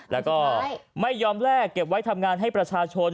แล้วก็ไม่ยอมแลกเก็บไว้ทำงานให้ประชาชน